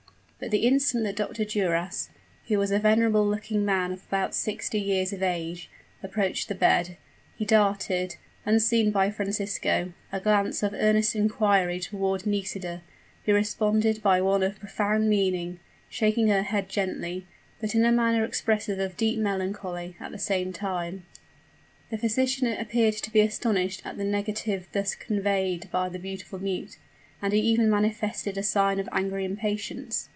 But the instant that Dr. Duras who was a venerable looking man of about sixty years of age approached the bed, he darted, unseen by Francisco, a glance of earnest inquiry toward Nisida, who responded by one of profound meaning, shaking her head gently, but in a manner expressive of deep melancholy, at the same time. The physician appeared to be astonished at the negative thus conveyed by the beautiful mute; and he even manifested a sign of angry impatience.